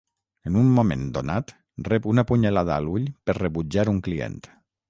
En un moment donat, rep una punyalada a l'ull per rebutjar un client.